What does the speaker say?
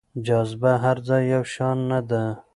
جاذبه هر ځای يو شان نه ده.